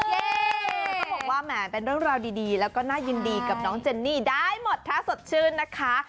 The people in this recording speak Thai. เขาบอกว่าแหมเป็นเรื่องราวดีแล้วก็น่ายินดีกับน้องเจนนี่ได้หมดถ้าสดชื่นนะคะ